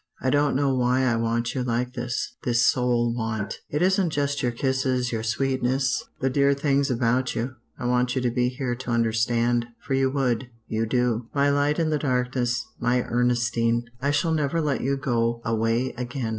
I don't know why I want you like this this soul want. It isn't just your kisses, your sweetness, the dear things about you. I want you to be here to understand for you would you do. "My light in the darkness, my Ernestine! I shall never let you go away again.